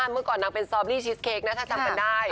เมื่อก่อนนางเป็นซอบรี่ชิสเค้กนะถ้าจำกันได้